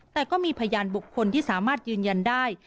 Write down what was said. แต่ก็มีพยานบุคคลที่สามารถยืนยันได้